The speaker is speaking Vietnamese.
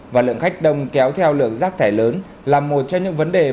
và lượng khách đông kéo theo lượng rác thải lớn là một trong những vấn đề